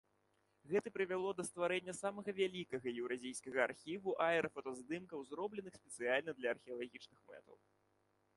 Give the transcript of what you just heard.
Гэта прывяло да стварэння самага вялікага еўразійскага архіву аэрафотаздымкаў, зробленых спецыяльна для археалагічных мэтаў.